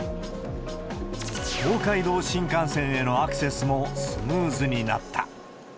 東海道新幹線へのアクセスもスムーズになった。